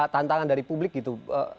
tantangan dari publik gitu